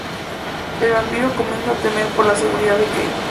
El vampiro comienza a temer por la seguridad de Kate.